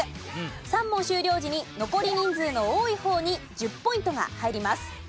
３問終了時に残り人数の多い方に１０ポイントが入ります。